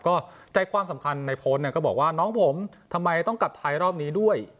ก็ใจความสำคัญในโพสต์เนี่ยก็บอกว่าน้องผมทำไมต้องกลับไทยรอบนี้ด้วย